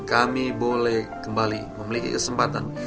kami boleh kembali memiliki kesempatan